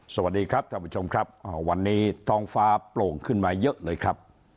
สวัสดีครับท่านผู้ชมครับวันนี้ท้องฟ้าโปร่งขึ้นมาเยอะเลยครับ